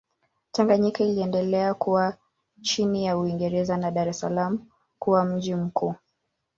Tanganyika iliendelea kuwa chini ya Uingereza na Dar es Salaam kuwa mji mkuu.